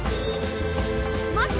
待って！